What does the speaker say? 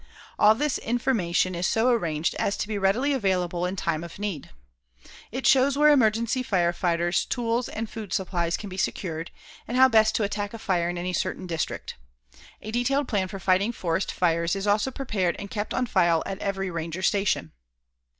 All this information is so arranged as to be readily available in time of need. It shows where emergency fire fighters, tools and food supplies can be secured, and how best to attack a fire in any certain district. A detailed plan for fighting forest fires is also prepared and kept on file at every ranger station.